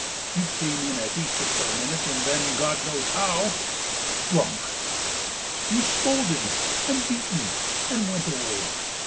you came in at Easter for a minute and then God knows how... drunk... you scolded and beat me and went away...